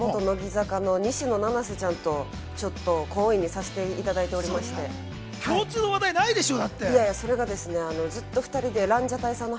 最近、元乃木坂の西野七瀬ちゃんとちょっと好意にさせていた共通の話題ないでしょう。